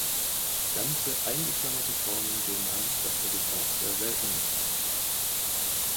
Ganze eingeklammerte Formen geben an, dass der Gebrauch sehr selten ist.